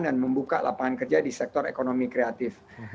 dan membuka lapangan kerja di sektor ekonomi kreatif